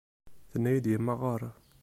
Tenna-yi-d yemma ɣeṛ.